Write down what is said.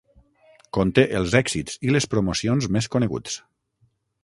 Conté els èxits i les promocions més coneguts.